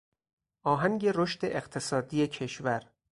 آهنگ رشد اقتصادی کشور